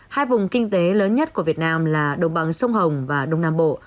hai vùng kinh tế lớn nhất của việt nam là đồng bằng sông hồng và đông nam bộ